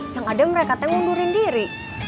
yang ada mereka yang mundurin diri